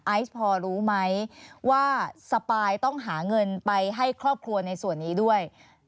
ไอซ์พอรู้ไหมว่าสปายต้องหาเงินไปให้ครอบครัวในส่วนนี้ด้วย